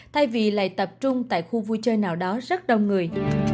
thay vì lại tập trung tại khu vui chơi nào đó rất đông người